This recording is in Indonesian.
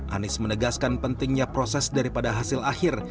anies menegaskan pentingnya proses daripada hasil akhir